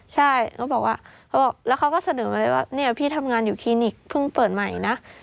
ใช่เขาบอกว่าเขาบอกแล้วเขาก็เสนอมาเลยว่าเนี่ยพี่ทำงานอยู่คลินิกเพิ่งเปิดใหม่นะ